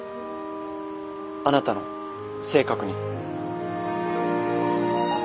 あなたの性格に。